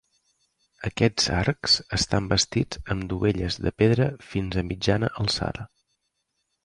Aquests arcs estan bastits amb dovelles de pedra fins a mitjana alçada.